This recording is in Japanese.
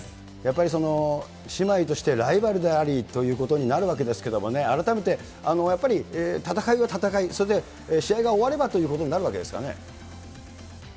やっぱり姉妹としてライバルでありということになるわけですけどね、改めてやっぱり、戦いは戦い、それで、試合が終わればということになるわけですかね。